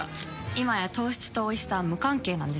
今や糖質とおいしさは無関係なんです。